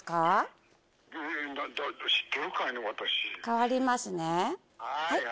代わりますね。